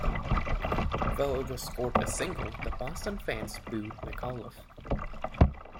Though it was scored a single, the Boston fans booed McAuliffe.